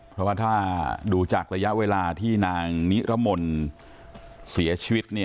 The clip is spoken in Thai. เพราะว่าถ้าดูจากระยะเวลาที่นางนิรมนต์เสียชีวิต